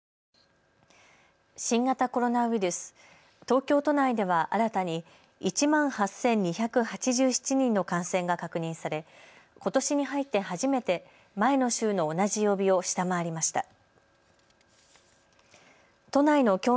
新型コロナウイルス、東京都内では新たに１万８２８７人の感染が確認されことしに入って初めて前の週の同じ曜日を下回りました。